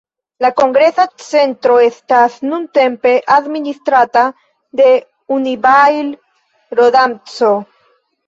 La kongresa centro estas nuntempe administrata de "Unibail-Rodamco".